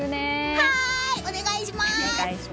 はーい！お願いします。